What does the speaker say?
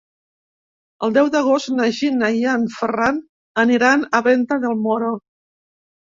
El deu d'agost na Gina i en Ferran aniran a Venta del Moro.